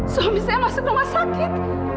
suami saya masuk rumah sakit